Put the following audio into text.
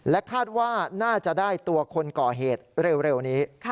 คาดว่าน่าจะได้ตัวคนก่อเหตุเร็วนี้